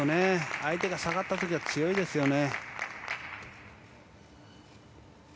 相手が下がった時が強いですよね。